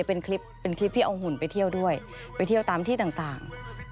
เป็นคลิปเป็นคลิปที่เอาหุ่นไปเที่ยวด้วยไปเที่ยวตามที่ต่าง